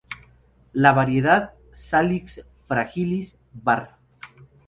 La variedad "Salix fragilis" var.